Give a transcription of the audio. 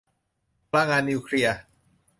พลังงานนิวเคลียร์